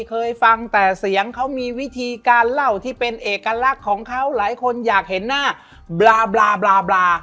เคยฟังแต่เสียงเขามีวิธีการเล่าที่เป็นเอกลักษณ์ของเขาหลายคนอยากเห็นหน้าบรา